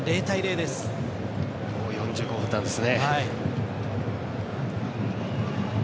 もう４５分なんですね。